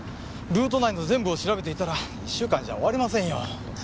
ルート内の全部を調べていたら１週間じゃ終わりませんよ。